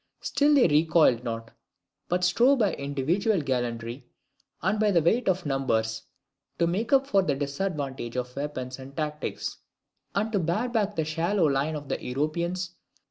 Still they recoiled not, but strove by individual gallantry, and by the weight of numbers, to make up for the disadvantages of weapons and tactics, and to bear back the shallow line of the Europeans.